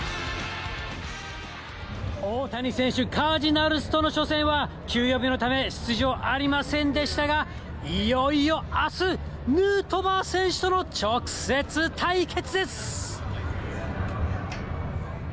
大谷選手、カージナルスとの初戦は、休養日のため出場ありませんでしたが、いよいよあす、ヌートバー選手との直接対決です。